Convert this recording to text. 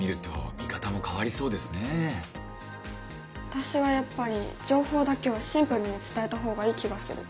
私はやっぱり情報だけをシンプルに伝えた方がいい気がする。